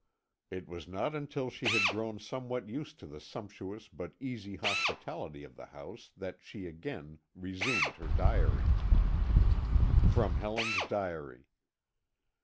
It was not until she had grown somewhat used to the sumptuous but easy hospitality of the house that she again resumed her diary. [From Helen's Diary.